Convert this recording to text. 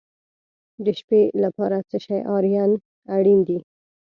د شپې لپاره څه شی اړین دی؟